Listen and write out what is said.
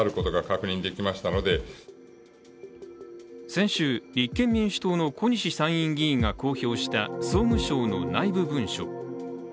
先週、立憲民主党の小西参院議員が公表した総務省の内部文書。